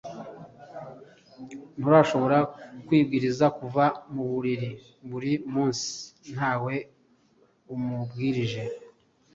nturashobora kwibwiriza kuva mu buriri buri munsi ntawe umubwirije?